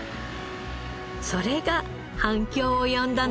それが反響を呼んだのです。